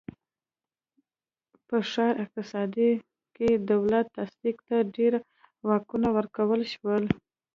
په ښاري اقتصاد کې دولتي تصدیو ته ډېر واکونه ورکړل شول.